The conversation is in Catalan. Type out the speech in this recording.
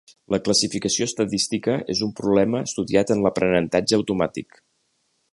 La classificació estadística és un problema estudiat en l'aprenentatge automàtic.